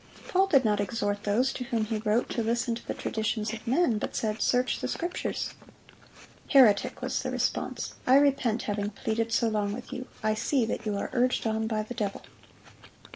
"Paul did not exhort those to whom he wrote to listen to the traditions of men, but said, 'Search the Scriptures.' " "Heretic!" was the response, "I repent having pleaded so long with you. I see that you are urged on by the devil."